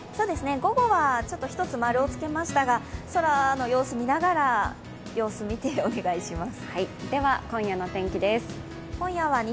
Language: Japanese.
午後は１つ、○をつけましたが空の様子見ながら、様子見てお願いします。